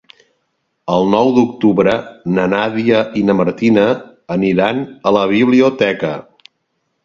El nou d'octubre na Nàdia i na Martina aniran a la biblioteca.